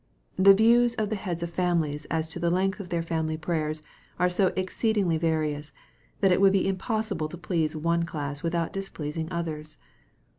The views of the heads of families aa to the length of their family prayers are so exceedingly various that it would be impossible to please one class with out displeasing others.